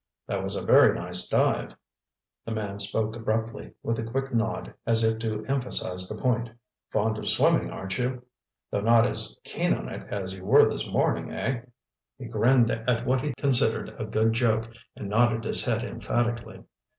"That was a very nice dive," the man spoke abruptly, with a quick nod as if to emphasize the point. "Fond of swimming, aren't you? Though not as keen on it as you were this morning, eh?" He grinned at what he considered a good joke and nodded his head emphatically.